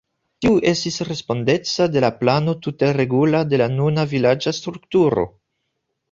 Tiu estis respondeca de la plano tute regula de la nuna vilaĝa strukturo.